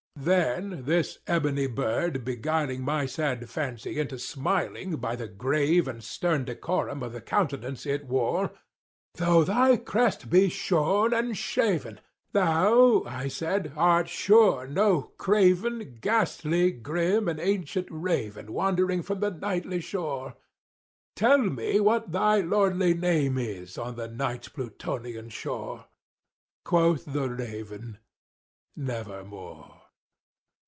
Then this ebony bird beguiling my sad fancy into smiling, By the grave and stern decorum of the countenance it wore, "Though thy crest be shorn and shaven, thou," I said, "art sure no craven, Ghastly grim and ancient raven wandering from the Nightly shore— Tell me what thy lordly name is on the Night's Plutonian shore!" Quoth the raven "Nevermore."